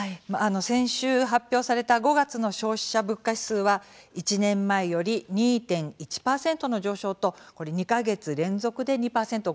先週、発表された５月の消費者物価指数は１年前より２．１％の上昇と、２か月連続で２％を超えたんですね。